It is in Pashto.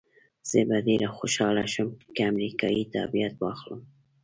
زه به ډېره خوشحاله شم که امریکایي تابعیت واخلم.